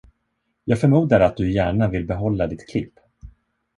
Jag förmodar att du gärna vill behålla ditt klipp.